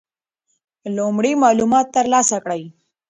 لومړی معلومات ترلاسه کړئ.